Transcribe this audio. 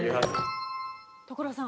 所さん。